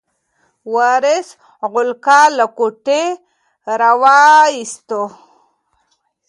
وارث غولکه له کوټې راواخیسته.